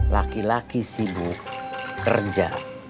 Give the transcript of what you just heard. laki laki sibuk kerja